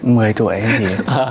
mười tuổi em thì